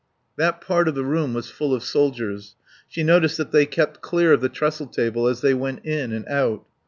That part of the room was full of soldiers. She noticed that they kept clear of the trestle table as they went in and out.